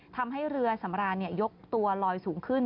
ทำให้เรือสำราญยกตัวลอยสูงขึ้น